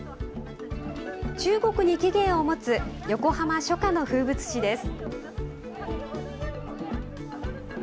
中国に起源を持つ、横浜初夏の風物詩です。